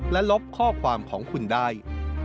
และลบข้อความของคุณได้